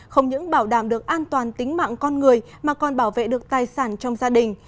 không những bảo đảm được an toàn tính mạng con người mà còn bảo vệ được tài sản trong gia đình